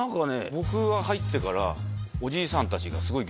僕が入ってから。